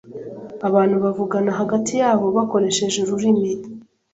Abantu bavugana hagati yabo bakoresheje ururimi.